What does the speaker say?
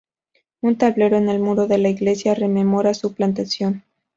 Un tablero en el muro de la iglesia rememora su plantación.